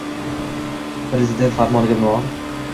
Prezident Farmoniga binoan: